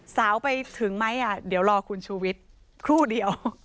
สาวไปถึงไหมเดี๋ยวรอคุณชูวิทย์ครู่เดียว